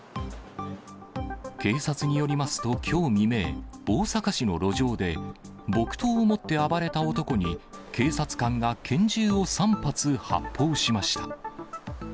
警察によりますときょう未明、大阪市の路上で、木刀を持って暴れた男に警察官が拳銃を３発、発砲しました。